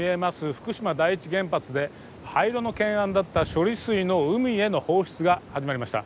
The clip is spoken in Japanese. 福島第一原発で廃炉の懸案だった処理水の海への放出が始まりました。